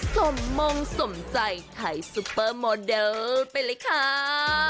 สมมงสมใจไทยซุปเปอร์โมเดลไปเลยค่ะ